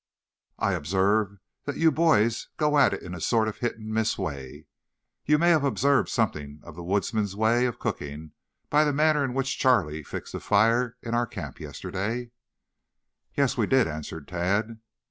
I observe that you boys go at it in a sort of hit and miss way. You may have observed something of the woodsman's way of cooking by the manner in which Charlie fixed the fire in our camp yesterday." "Yes, we did," answered Tad.